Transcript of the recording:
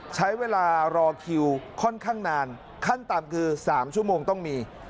ใช้เวลารอคิวค่อนข้างนานขั้นต่ำคือ๓ชั่วโมงต้องมี